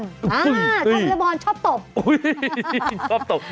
ชอบบอเลบอลชอบตบ